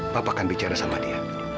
papa kan bicara sama dia